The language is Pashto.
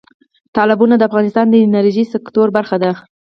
تالابونه د افغانستان د انرژۍ سکتور برخه ده.